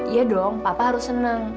iya dong papa harus senang